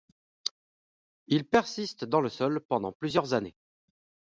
Il persiste dans le sol pendant plusieurs années.